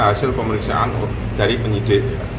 hasil pemeriksaan dari penyidik